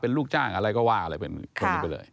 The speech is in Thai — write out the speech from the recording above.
เป็นลูกจ้างอะไรก็ว่าอะไรเป็นคนนี้ไปเลย